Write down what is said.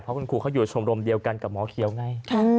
เพราะคุณครูเขาอยู่ชมรมเดียวกันกับหมอเขียวไง